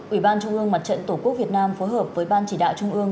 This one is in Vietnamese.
ủy ban trung ương mặt trận tổ quốc việt nam phối hợp với ban chỉ đạo trung ương